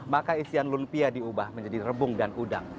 maka isian lumpia diubah menjadi rebung dan udang